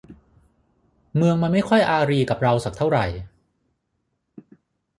เมืองมันไม่ค่อยอารีกับเราสักเท่าไหร่